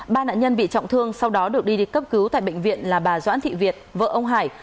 ba nạn nhân bị trọng thương sau đó được đi đi cấp cứu tại bệnh viện là bà doãn thị việt vợ ông hải